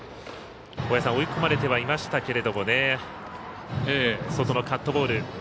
追い込まれてはいましたけれども外のカットボール。